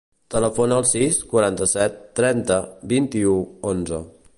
Telefona al sis, quaranta-set, trenta, vint-i-u, onze.